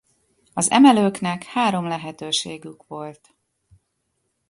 Az emelőknek három lehetőségük volt.